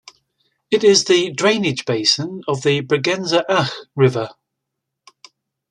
It is the drainage basin of the Bregenzer Ach river.